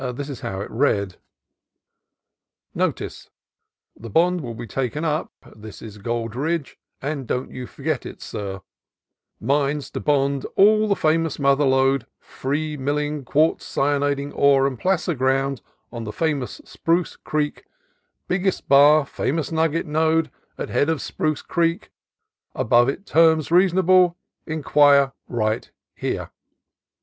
This is how it read :— Notice the bond will be Taken up, this is Gold ridge and dont you forget it sir Mines to bond all on the Famous Mother lode Free Milling quartz Cyaniding ore and Placer ground on the Famous Spruce creek Bigest bar Famous Nugget lode at head of Spruce Creek above it terms reasonble inquire Right here.